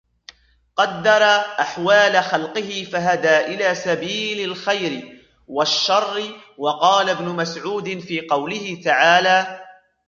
قَدَّرَ أَحْوَالَ خَلْقِهِ فَهَدَى إلَى سَبِيلِ الْخَيْرِ وَالشَّرِّ وَقَالَ ابْنُ مَسْعُودٍ فِي قَوْله تَعَالَى